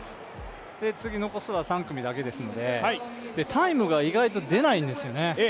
次残すは３組だけですのでタイムが意外と出ないんですよね。